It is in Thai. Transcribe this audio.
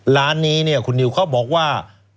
ร้านนี้เนี่ยคุณนิวเขาบอกว่า